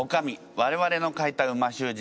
われわれの書いた美味しゅう字